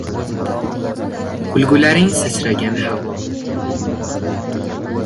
Kulgularing sachragan havo.